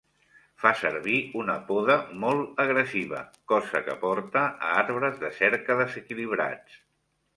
Fa servir una poda molt agressiva, cosa que porta a arbres de cerca desequilibrats.